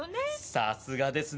さすがですね。